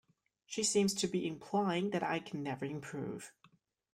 She seems to be implying that I can never improve.